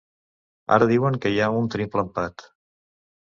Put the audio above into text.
Ara diuen que hi ha un triple empat.